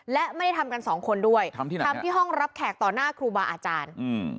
และไม่ได้ทำกันสองคนด้วยทำที่ไหนทำที่ห้องรับแขกต่อหน้าครูบาอาจารย์อืม